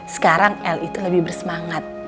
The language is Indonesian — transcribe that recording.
sekarang l itu lebih bersemangat